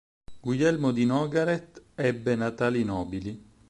Guglielmo di Nogaret ebbe natali nobili.